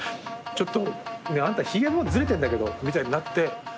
「ちょっとあんたヒゲもズレてんだけど」みたいになって。